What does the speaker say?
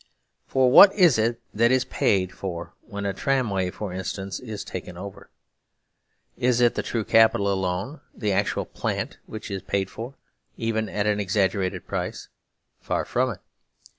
For what is it that is paid for when a tramway, for instance, is taken over ? Is it the true capital alone, the actual plant, which is paid for, even at an exaggerated price? Far from it!